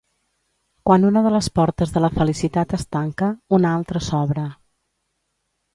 Quan una de les portes de la felicitat es tanca, una altra s'obre.